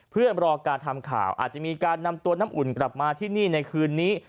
เพื่อรอการทำข่าวอาจจะมีการนำตัวน้ำอุ่นกลับมาที่นี่ในคืนนี้